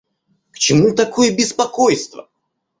К чему такое беспокойство!